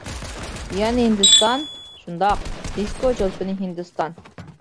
-يەنە ھىندىستان؟ -شۇنداق! «دىسكو چولپىنى» ھىندىستان!